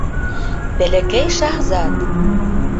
Бәләкәй шаһзат